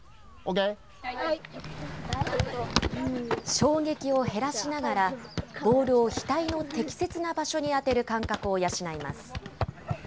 衝撃を減らしながら、ボールを額の適切な場所に当てる感覚を養います。